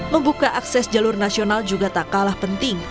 membuka akses jalur nasional juga tak kalah penting